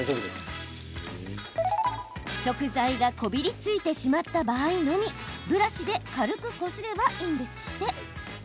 食材がこびりついてしまった場合のみブラシで軽くこすればいいんですって。